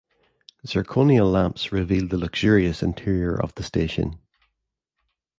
Zirconia lamps revealed the luxurious interior of the station.